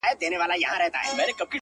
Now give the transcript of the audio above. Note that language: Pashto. روح مي لا ورک دی ـ روح یې روان دی ـ